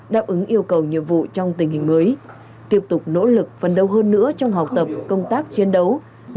đáp ứng yêu cầu nhiệm vụ trong tình hình mới tiếp tục nỗ lực phân đấu hơn nữa trong học tập công tác chiến đấu